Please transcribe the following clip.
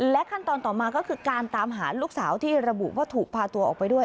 ขั้นตอนต่อมาก็คือการตามหาลูกสาวที่ระบุว่าถูกพาตัวออกไปด้วย